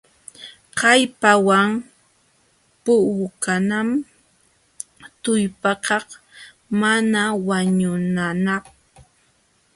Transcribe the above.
Kallpawan puukanam tullpakaq mana wañunanapq.